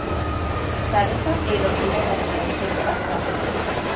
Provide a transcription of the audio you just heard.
Sareta edo iragazki antzeko bat da.